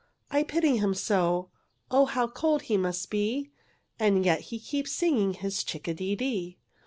I pity him so! Oh, how cold he must be, And yet he keeps singing his chick a de dee.